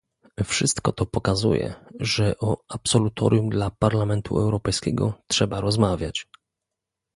Wszystko to pokazuje, że o absolutorium dla Parlamentu Europejskiego trzeba rozmawiać